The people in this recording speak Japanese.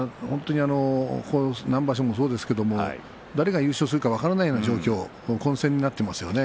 何場所もそうですけれども誰が優勝するか分からない状況混戦になっていますね。